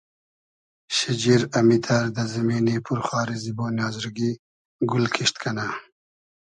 شیجیر امیتر دۂ زیمینی پور خاری زیبۉنی آزرگی گول کیشت کئنۂ